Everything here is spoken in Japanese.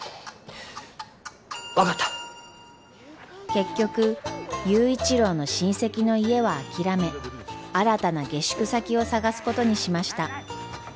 結局佑一郎の親戚の家は諦め新たな下宿先を探すことにしました。